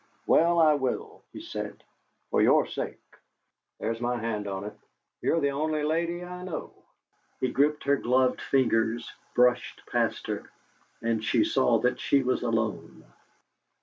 "Well, I will!" he said, "for your sake. There's my hand on it. You're the only lady I know!" He gripped her gloved fingers, brushed past her, and she saw that she was alone.